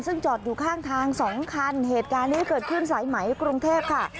ซึ่งจอดอยู่ข้างทางสองคันเหตุการณ์นี้เกิดขึ้นสายไหมกรุงเทพค่ะ